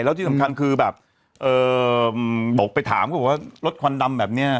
แล้วที่สำคัญคือแบบบอกไปถามเขาบอกว่ารถควันดำแบบนี้